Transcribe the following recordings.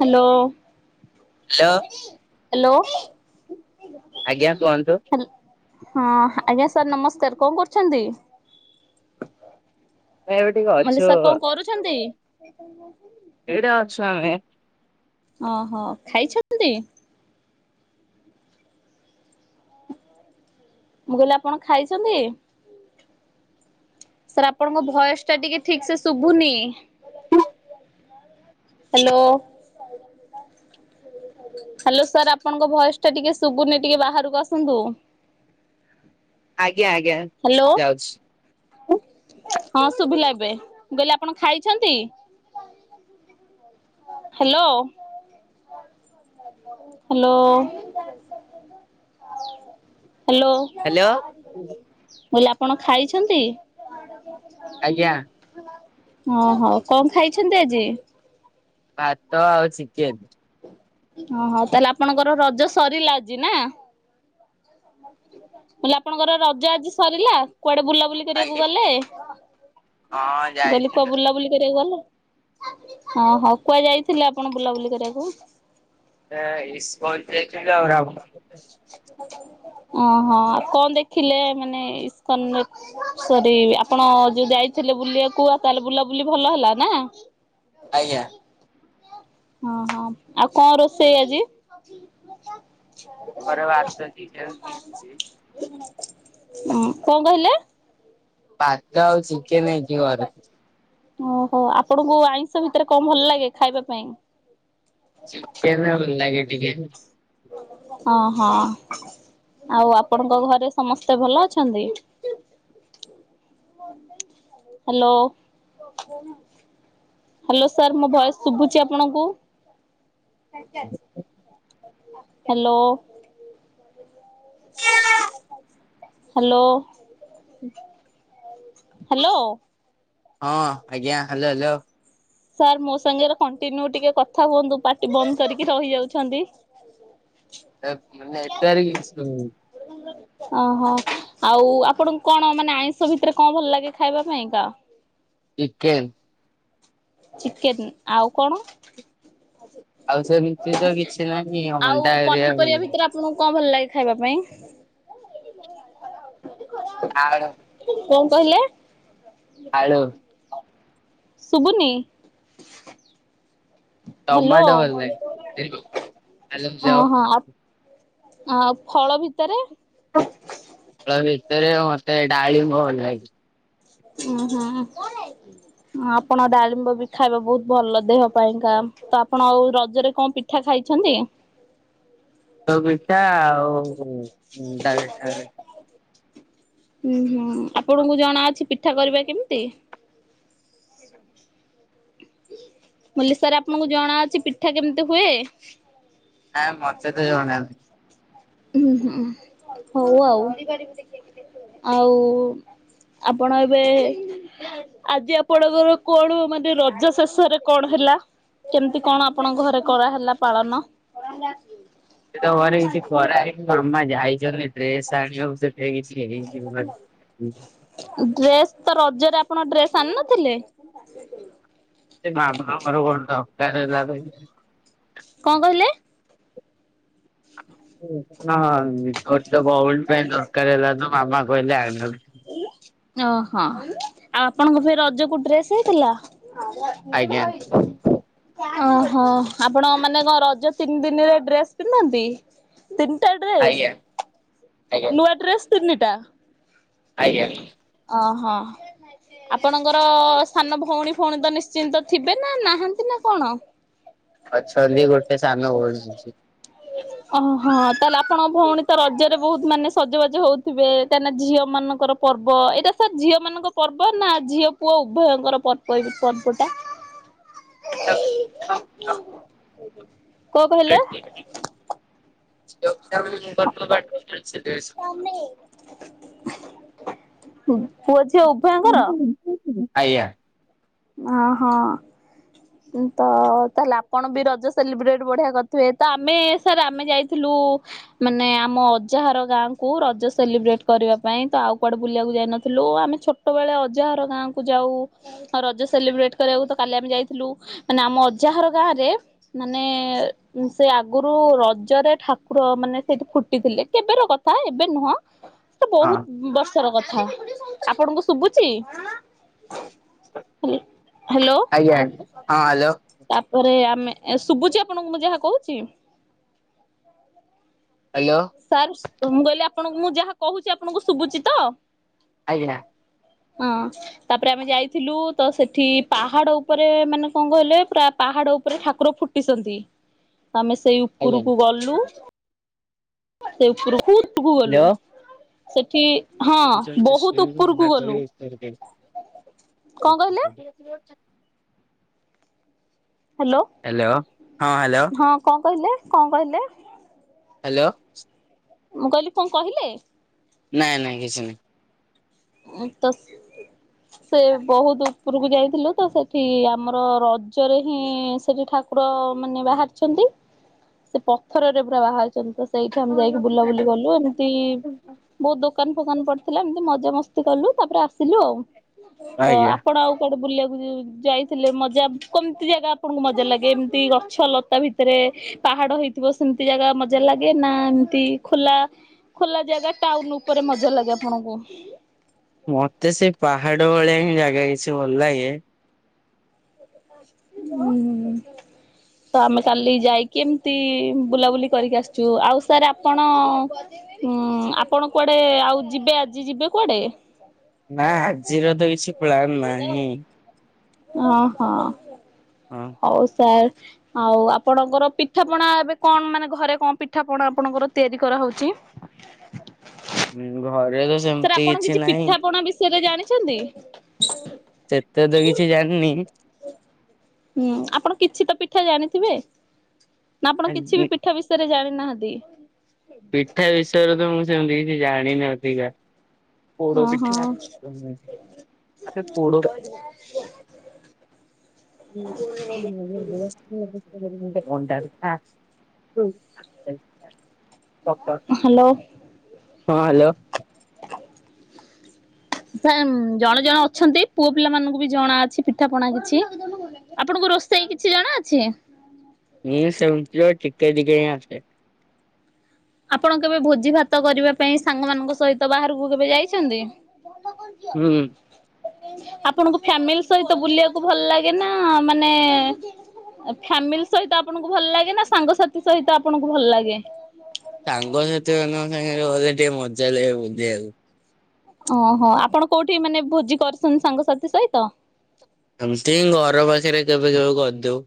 Hello. Hello. Hello. ଆଜ୍ଞା କୁହନ୍ତୁ। Hello ହଁ ଆଜ୍ଞା ସାର୍ ନମସ୍କାର କଣ କରୁଛନ୍ତି? ଭାଇ ଏବେ ଟିକେ [unintelligible] ଅଛୁ ସାର୍ କଣ କରୁଛନ୍ତି? ଏଇଟା ଅଛୁ ଆମେ। ଅ ହ ଖାଇଛନ୍ତି? ମୁଁ କହିଲି ଆପଣ ଖାଇଛନ୍ତି? ସାର୍ ଆପଣଙ୍କ ଭୟସ ଟା ଟିକେ ଠିକ ସେ ଶୁଭୁନି। ହ୍ୟାଲୋ ହ୍ୟାଲୋ ସାର୍ ଆପଣଙ୍କ ଭଏସ ଟା ଟିକେ ସୁବୁନି ଟିକେ ବାହାରକୁ ଆସନ୍ତୁ। ଆଜ୍ଞା ଆଜ୍ଞା ହ୍ୟାଲୋ ଯାଉଛି ହଁ ଶୁଭିଲା ଏବେ, ମୁଁ କହିଲି ଆପଣ ଖାଇଛନ୍ତି? ହ୍ୟାଲୋ ହାଲୋ ହାଲୋ ହ୍ୟାଲୋ ମୁଁ କହିଲି ଆପଣ ଖାଇଛନ୍ତି? ଆଜ୍ଞା। ହଁ ହୋଉ କଣ ଖାଇଛନ୍ତି ଆଜି? ଭାତ ଆଉ ଚିକେନ। ଓହୋ ତାହେଲେ ଆପଣଙ୍କର ରଜ ସରିଲା ଆଜି ନା? ମୁଁ କହିଲି ଆପଣଙ୍କର ରଜ ଆଜି ସରିଲା କୁଆଡେ ବୁଲାବୁଲି କରିବାକୁ ଆଜ୍ଞା ଗଲେ? ହଁ ମୁଁ କହିଲି କୁଆ ଯାଇଥିଲୁ ବୁଲା ବୁଲି କରିବାକୁ ଗଲେ? ହଁ ହଉ କୁଆଡେ ଯାଇଥିଲେ ଆପଣ ବୁଲାବୁଲି କରିବାକୁ? ଏ ଇକ୍ସନ ଯାଇଥିଲୁ ଆଉ ରାମ ମନ୍ଦିର। ଓହୋ ଆଉ କଣ ଦେଖିଲେ ମାନେ ଇସ୍କନରେ? ସରି ଆପଣ ଯୋଉ ଯାଇଥିଲେ ବୁଲିବାକୁ ଆଉ ତାହେଲେ ବୁଲାବୁଲି ଭଲ ହେଲା ନା? ଆଜ୍ଞା ହଁ ହଁ ଆଉ କଣ ରୋଷେଇ ଆଜି? ହୁଁ ଘରେ ଭାତ ଚିକେନ ହେଇଛି କଣ କହିଲେ? ଭାତ ଆଉ ଚିକେନ ହେଇଛି ଘରେ। ଓହୋ ଆପଣଙ୍କୁ ଆଇଁଷ ଭିତରେ କଣ ଭଲ ଲାଗେ ଖାଇବା ପାଇଁ? ଚିକେନ୍‌ ଭଲ ଲାଗେ ଟିକେ। ହଁ ହଁ। ଆଉ ଆପଣଙ୍କ ଘରେ ସମସ୍ତେ ଭଲ ଅଛନ୍ତି? ହାଲୋ ହ୍ୟାଲୋ ସାର୍ ମୋ ଭୟସେ ଶୁଭୁଛି ଆପଣଙ୍କୁ? ହ୍ୟାଲୋ। [inaudible] ହ୍ୟାଲୋ ହ୍ୟାଲୋ ହଁ ଆଜ୍ଞା ହ୍ୟାଲୋ ହ୍ୟାଲୋ ସାର୍ ମୋ ସାଙ୍ଗରେ କଣ୍ଟିନ୍ୟୁ ଟିକେ କଥା ହୁଅନ୍ତୁ ପାଟି ବନ୍ଦ କରିକି ରହିଯାଉଛନ୍ତି। Network issue. ଗ [inaudible] ଓହୋ ଆଉ ଆପଣଙ୍କୁ କଣ ମାନେ ଆଇଁଷ ଭିତରେ କଣ ଭଲ ଲାଗେ ଖାଇବା ପାଇଁକା? ଚିକେନ୍‌ ଚିକେନ ଆଉ କଣ? ଆଉ ସେମିତି ତ କିଛି ନାହିଁ ଅଣ୍ଡା ହେରିକା। ତୁମଙ୍କୁ କଣ ଭଲ ଲାଗେ ଖାଇବା ପାଇଁ? ଆଳୁ କଣ କହିଲେ? ଆଳୁ ଶୁଭୁନି। ହ୍ୟାଲୋ ଟମାଟୋ ଭଲ ଲାଗେ। ଓହୋ ଆଉ ଫଳ ଭିତରେ ଫଳ ଭିତରେ ମତେ ଡାଳିମ୍ବ ଭଲ ଲାଗେ। ହଁ ହଁ। ହ ଆପଣ ଡାଳିମ୍ବ ବି ଖାଇବା ବହୁତ ଭଲ ଦେହ ପାଇଁକା ତ ଆପଣ ଆଉ ରଜରେ କଣ ପିଠା। ପିଠା ଖାଇଛନ୍ତି? ମିିଠା ଆଉ [unintelligible] ହୁଁ ହୁଁ ଆପଣଙ୍କୁ ଜଣା ଅଛି ପିଠା କରିବା କେମିତି? ମୁଁ କହିଲି ସାର୍‌ ଆପଣଙ୍କୁ ଜଣାଅଛି ପିଠା କେମିତି ହୁଏ। ନା ମତେ ତ ଜଣା ନାହିଁ। [inaudible] ଉୁଁ ହୁଁ ହଉ ଆଉ। ଆଉ ଆପଣ ଏବେ? ଆଜି ଆପଣଙ୍କର କଣ ମାନେ ରଜ। ଶେଷରେ କଣ ହେଲା କେମିତି କଣ ଆପଣଙ୍କ ଘରେ କରାହେଲା ପାଳନ। ସେ ତ ଘରେ କିଛି କରାଇ ଆମା ଯାଇଛ ଡ୍ରେସ ଆଣିବାକୁ ସେଇ ହେଇ ଯ ଡ୍ରେସ୍ ତ ରଜରେ ଆପଣ ଡ୍ରେସ ଆଣି ନଥିଲେ। ଆ ସେ ମା ବାଙ୍କର କଣ ଦରକାର ହେଲା। କଣ କହିଲେ? ହଁ ଗୋଟେ ତ ବଉଲ ପାଇଁ ଦରକାର ହେଲା ତ ମାମା କହିଲେ ଆ ଓହୋ ଆଉ ଆପଣଙ୍କ ଫ ରଜ କ ଡ୍ରେସ୍ ହେଇଥିଲା। ଆଜ୍ଞା। ଓହୋ ଆପଣ ମାନେ କଣ ରଜ ତିନି ଦିନରେ ଡ୍ରେସ ପିନ୍ଧନ୍ତି? ତତାଡ୍ରି ଆଜ୍ଞା ଆଜ୍ଞା ନୂଆ ଡ୍ରେସ୍ ତିନିଟା। ଆଜ୍ଞା। ଓ ହୋ। ଆପଣଙ୍କର ସ୍ଥାନ ଭଉଣୀ ଭଉଣୀ ତ ନିଶ୍ଚିନ୍ତ ଥିବେ ନା ନାହାନ୍ତି ନା କଣ? ହ ଅଛନ୍ତି ଗୋଟେ ସାନ ବଡଛି। ହ ଓହଁ ତାହେଲେ ଆପଣଙ୍କ ଭଉଣୀ ତ ରଜରେ ବହୁତ ମାନେ ସଜବାଜ ହଉଥେ କା ଝିଅ ମଙ୍କର ପର୍ବ। ପର୍ବ ଏଇଟା ସାର୍ ଝିଅ ମାନଙ୍କ ପର୍ବ ନା ଝିଅ ପୁଅ ଉଭୟଙ୍କର ପର୍ବ ଏଇ ପର୍ବଟା। ହ ହଉ କ କହିଲା? ଖ ପୁଅ ଝିଅ ଉଭୟଙ୍କର। ଆଜ୍ଞା। ଓହୋ। ତ ତାହେଲେ ଆପଣ ବି ରଜ ସେଲିବ୍ରେଟ୍ ବଢିଆ କରିଥିବେ ତ ଆମେ ସାର୍ ଆମେ ଯାଇଥିଲୁ। ମାନେ ଆମ ଅଜାହାର ଗାଁକୁୁ ରଜ ସେଲିବ୍ରେଟ କରିବା ପାଇଁ ତ ଆଉ କୁଆଡେ ବୁଲିବାକୁ ଯାଇନଥିଲୁ ଆମେ ଛୋଟ। ଛୋଟବେଳେ ଅଜାହାର ଗାଁ କୁ ଯାଉ। ରଜ ସେଲିବ୍ରେଟ୍ କରିବାକୁ ତ କାଲି ଆମେ ଯାଇଥିଲୁ ମାନେ ଆମ ଅଜାହାର ଗାଁରେ, ମାନେ ସେ ଆଗରୁ ରଜରେ ଠାକୁର ମାନେ ସେଇଠି ଫୁଟିଥିଲେ, କେବେର କଥା ଏବେ ନୁହଁ। ସେ ହଁ ବହୁତ ବର୍ଷ ର କଥା। ଆପଣଙ୍କୁ ଶୁଭୁଛି? ହୁଁ। ଆଜ୍ଞା [unintelligible] ହଁ ହ୍ୟାଲୋ। ତାପରେ ଆମେ, ଶୁଭୁଚି ଆପଣଙ୍କୁ ମୁଁ ଯାହା କହୁଛି? ହ୍ୟାଲୋ? ସାର୍ ମୁଁ କହିଲି ଆପଣଙ୍କୁ ମୁଁ ଯାହା କହୁଛି ଆପଣଙ୍କୁ ଶୁଭୁଚଛି ତ? ଆଜ୍ଞା। ହଁ। ତାପରେ ଆମେ ଯାଇଥିଲୁ ତ ସେଠି ପାହାଡ ଉପରେ ମାନେ କଣ କହିଲେ ପୁରା ପାହାଡ ଉପରେ ଠାକୁର ଫୁଟ [unintelligible] ଆମେ ସେଇ ଆଜ୍ଞା ହ୍ୟାଲୋ। ଉପରକୁ ଗଲୁ। ସେ [unintelligible] ଗଲୁ। ସେଠି ହଁ ବହୁତ ଉପରକୁ ଗଲୁ କଣ କହିଲେ? [unintelligible] ହ୍ୟାଲୋ? ହ୍ୟାଲୋ, ହଁ। ହ୍ୟାଲୋ? ହଁ କଣ କହିଲେ, କଣ କହିଲେ? ହ୍ୟାଲୋ? ମୁଁ କହିଲି କଣ କହିଲେ? ନାଇଁ ନାଇଁ କିଛି ନାଇଁ। ଉ ତ, ସେ ବହୁତ ଉପରକୁ ଯାଇଥିଲୁ ତ, ସେଠି ଆମର ରଜରେ ହିଁ ସେଠି ଠାକୁର ମାନେ ବାହାରିଛନ୍ତି। ସେ ପଥରରେ ପୁରା ବାହାରିଛନ୍ତି। ସେଇଠି ଆମେ ଯାଇକି ବୁଲାବୁଲି କଲୁ। ଏମିତି ବହୁତ ଦୋକାନ ଫୋକାନ ପଡିଥିଲା ଏମିତି ମଜା ମସ୍ କଲୁ ତାପରେ ଆସିଲୁ ଆଉ। ତ ଆଜ୍ଞା ଆପଣ ଆଉ ଆଡେ ବୁଲିବାକୁ ଯାଇଥିଲେ ମଜା, କେମିତି ଜାଗା ଆପଣଙ୍କୁ ମଜା ଲାଗେ ଏମିତି ଗଛ ଲତା ଭିତ [unintelligible] ପାହାଡ ହେଇଥିବ ସେମିତି ଜାଗା ମଜା ଲାଗେ ନା ଏମତି ଖୋଲା ଖୋଲା ଜାଗା ଟାଉନ ଉପରେ ମଜା ଲାଗେ ଆପଣଙ୍କୁ? ମତେ ସେ ପାହାଡ ଭଳିଆ ହିଁ ଜାଗା କିଛି ଭଲ ଲାଗେ। ହୁଁ। ତ ଆମେ କାଲି ଯାଇକି ଏମିତି ବୁଲାବୁଲି କରିକି ଆସିଛୁ। ଆଉ ସାର୍ ଆପଣ ହୁଁ ଆପଣ କୁଆଡେ ଆଉ ଯିବେ ଆଜି ଯିବେ କୁଆଡେ? ନା ଆଜିର ତ କିଛି ପ୍ଲାନ ନାହିଁ। ଓ ହଁ। ହଁ। ହଉ ସାର୍ ଆଉ ଆପଣଙ୍କର ପିଠାପଣା ଏବେ କଣ ମାନେ ଘରେ କଣ ପିଠାପଣା ଆପଣଙ୍କର ତିଆରି କରାହଉଛି? ହୁଁ ଘରେ ସାର୍ ସେମିତି ଆପଣ କିଛି ନାହିଁ ପିଠାପଣା ବିଷୟରେ ଜାଣିଛନ୍ତି? ସେତେ ତ କିଛି ଜାଣିନି। [inaudible] ହୁଁ ଆପଣ କିଛି ତ ପିଠା ଜାଣିଥିବେ? ନା ଆପଣ କିଛି ବି ପିଠା ବିଷୟରେ ଜାଣିନାହାନ୍ତି? ପିଠା ବିଷୟରେ ତ ମୁଁ ସେମିତି କିଛି ଜାଣିନି ଅଧିକା। ପୋଡ଼ ହଁ ହଁ ପିଠା [unintelligible] ଆ ପୋଡ଼ [unintelligible] [unintelligible] ମଣ୍ଡା ପିଠା [unintelligible] ହଁ ହ୍ୟାଲୋ। ହ୍ୟାଲୋ। ଜଣେ ଜଣେ ଅଛନ୍ତି ପୁଅ ପିଲା ମାନଙ୍କୁ ବି ଜଣା ଅଛି ପିଠା ପଣା କିଛି। ଆପଣଙ୍କୁ ରୋଷେଇ କିଛି ଜଣା ଅଛି? ହଁ ସେମିତିରେ ଟିକେ ଟିକେ ହିଁ ଆସେ। ଆପଣ କେବେ ଭୋଜି ଭାତ କରିବା ପାଇଁ ସାଙ୍ଗମାନାନଙ୍କ ସହିତ ବାହାରକୁ କେବେ ଯାଇଛନ୍ତି? ହୁଁ। ଆପଣଙ୍କୁ ଫ୍ୟାମିଲି ସହିତ ବୁଲିବାକୁ ଭଲ ଲାଗେ ନାଁ ମାନେ ଫ୍ୟାମିଲି ସହିତ ଆପଣଙ୍କୁ ଭଲ ଲାଗେ ନା ସାଙ୍ଗସାଥି ସହିତ ଆପଣଙ୍କୁ ଭଲ ଲାଗେ? ସାଙ୍ଗ ସେଥି ମାନଙ୍କ ସଙ୍ଗେ। ଗଲେ ଟିକେ ମଜା ଲାଗେ ବୁଲିବାକୁ। ଓହୋ ଆପଣ କୋଉଠି ମାନେ ଭୋଜି କରୁଚନ୍ତି ସାଙ୍ଗସାଥି ସହିତ? ଏମିତି ଘର ପାଖରେ କେବେ କେବେ କରିଥିବୁ।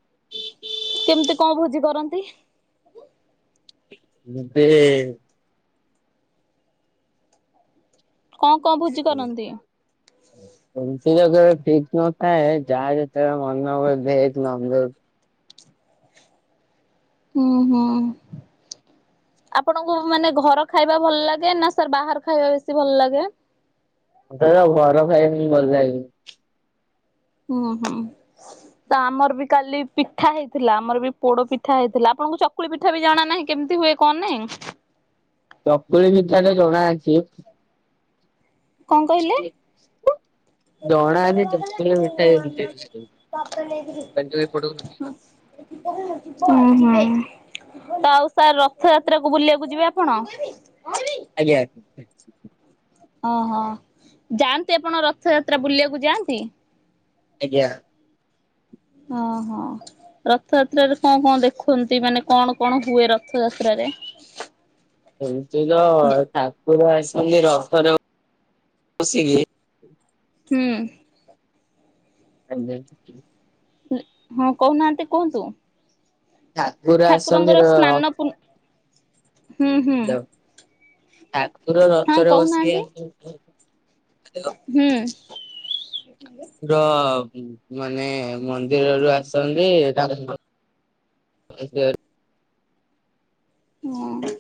କେମିତି କଣ ଭୋଜି କରନ୍ତି? ମତେ ଏ। କଣ କଣ ଭୋଜି କରନ୍ତି? ଏମତିରେ ତ ଠିକ୍ ନଥାଏ ଯାହା ଯେତେ ମନ ହୁଏ ଭେଜ୍ ନନଭେଜ୍ ହୁଁ, ହୁଁ। ଆପଣଙ୍କୁ ମାନେ ଘର ଖାଇବା ଭଲ ଲାଗେ ନା ସାର୍ ବାହାର ଖାଇବା ବେଶି ଭଲ ଲାଗେ? ସେଡ଼ା ଘର ଖାଇବା ଭଲ ଲାଗେ। ହୁଁ ହୁଁ। ତ ଆମର ବି କାଲି ପିଠା ହେଇଥିଲା ଆମର ବି ପୋଡ଼ା ପିଠା ହେଇଥିଲା ଆପଣଙ୍କୁ ଚକୁ ଚକୁଳି ପିଠା ବି ଜଣା ନାହିଁ କେମିତି ହୁଏ କଣ ନାଇଁ? ଚକୁଳିରେ ଜଣା ଅଛି। କଣ କହିଲେ? [inaudible] ଦୋଣା ଚକ ମିଠାୁ ଫ [unintelligible] ହୁଁ, ହୁଁ। ତ ଆଉ ସାର୍ ରଥ ଯାତ୍ରାକୁ ବୁଲିବାକୁ ଯିବେ ଆପଣ! ଆଜ୍ଞା। ଓହୋ ଯାଆନ୍ତି ଆପଣ ରଥଯାତ୍ରା ବୁଲିବାକୁ ଯାଆନ୍ତି। ଆଜ୍ଞା। ଓଁ ହୋ। ରଥଯାତ୍ରାରେ କଣ କଣ ଦେଖନ୍ତି ମାନେ କଣ କଣ ହୁଏ ରଥଯାତ୍ରାରେ? ଏମିତି ତ ଠାକୁର ଆସିନ୍ତି ରଥରେ ବସିକି। ହୁଁ। [unintelligible] ହଁ କହୁନାହାନ୍ତି କୁହନ୍ତୁ? ଠାକୁର ଠାକୁରଙ୍କର ଆସନ୍ତି ର ସ୍ନାନ ପୂର୍ଣ୍ଣ ହୁଁ ହୁଁ ହ୍ୟାଲୋ ଠାକୁର ହଁ ରଥରେ କହୁନାହାନ୍ତି ବସିକି ହୁଁ। ର ମାନେ ମନ୍ଦିରରୁୁ ଆସନ୍ତି [unintelligible] ହୁଁ।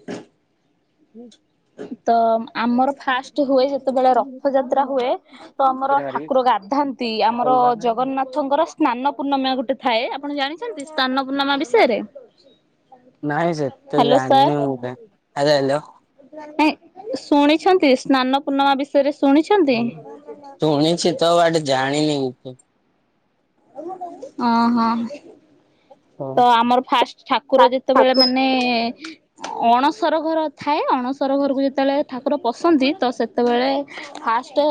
[inaudible] ହ ତ ଆମର ଫାଷ୍ଟ ହୁଏ ଯେତେବେଳେ ରଥଯାତ୍ରା ହୁଏ, ତ ଆମର ଠାକୁର ଗାଧା ନ୍ତି ଆମର ଜଗନ୍ନା ଥଙ୍କର ସ୍ନାନ ପୂର୍ଣ୍ଣମା ଗୋଟେ ଥାଏ, ଆପଣ ଜାଣିଚନ୍ତି ସ୍ନାନ ପୂର୍ଣ୍ଣମା ବିଷୟରେ? ନାଇଁ ସେ ହ୍ୟାଲୋ ସାର୍ [inaudible] ନାଇଁ ଶୁଣିଛନ୍ତି ସ୍ନାନ ପୂର୍ଣ୍ଣିମା ବିଷୟରେ ଶୁଣିଛନ୍ତି? ଶୁଣିଛି ତ [unintelligible] ଜାଣିିନି। ଅଁ ହଁ। ତ ହଁ। ଆମର ଫାଷ୍ଟ ଠାକୁର ଯେତେବେଳେ ଠାକୁର ମାନେ ଅଣସର ଘର ଥାଏ, ଅଣସର ଘରୁକୁ ଯେତେବେଳେ ଠାକୁର ପଶନ୍ତି ତ ସେ ସେତେବେଳେ ଫାଷ୍ଟେ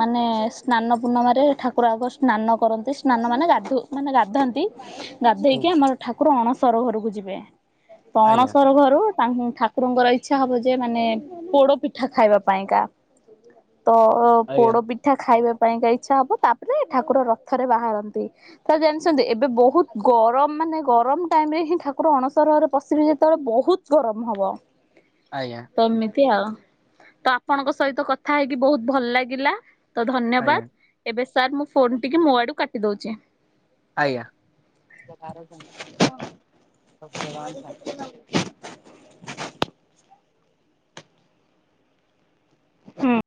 ମାନେ ସ୍ନାନ ପୂର୍ଣ୍ଣିମାରେ ଠାକୁର ଆଗ ସ୍ନାନ କରନ୍ତି, ସ୍ନାନ ମାନେ ଗାଧୁ ମାନେ ଗାଧନ୍ତି ଗା କି ହୁଁ ଆମର ଠାକୁର ଅଣସର ଘରକୁ ଯିବେ ତ ଆଜ୍ଞା ଅଣସର ଘରୁ ଠାକୁରଙ୍କର ଇଚ୍ଛା ହବ ଯେ ମାନେ ପୋଡ ପିଠା ଖାଇବା ପାଇଁକା ତ ଆଜ୍ଞା ପୋଡ ପି ଠା ଖାଇବା ପାଇଁକା ଇଚ୍ଛା ହବ, ତାପରେ ଠାକୁର ରଥରେ ବାହାରନ୍ତି। ତାହେଲେ ଜାଣିଛନ୍ତି ଏବେ ବହୁତ୍ ଗରମ୍ ମାନେ ଗରମ୍ ଟାଇମ୍ ରେ ହିଁ ଠାକୁର ଅଣସର ଘରେ ପଶିବେ ଯେତେବେଳେ ବହୁତ୍ ଗରମ୍ ହବ। ଆଜ୍ଞା। ତ ଏମିତି ଆଉ, ତ ଆପଣଙ୍କ ସହିତ କଥା ହେଇକି ବହୁତ୍ ଭଲ୍ ଲାଗିଲା। ତ ଧନ୍ୟବାଦ୍, ଆଜ୍ଞା ଏବେ ସାର୍ ମୁଁ ଫୋନ୍ ଟିକି ମୋ ଆଡୁ କାଟି ଦଉଚି। ଆଜ୍ଞା। ହୁଁ।